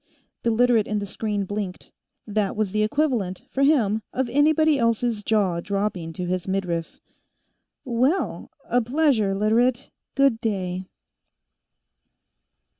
The Literate in the screen blinked; that was the equivalent, for him, of anybody else's jaw dropping to his midriff. "Well! A pleasure, Literate. Good day."